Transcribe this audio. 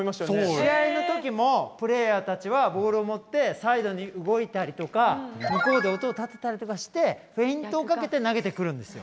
試合の時もプレーヤーたちはボールを持ってサイドに動いたりとか向こうで音を立てたりとかしてフェイントをかけて投げてくるんですよ。